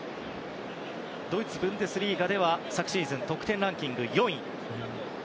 ドイツ・ブンデスリーガで昨シーズン得点ランキング４位。